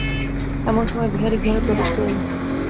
এমন সময় বিহারী ঘরে প্রবেশ করিল।